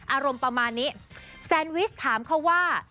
อารมณ์ประมาณนี้แซนวิชถามเขาว่า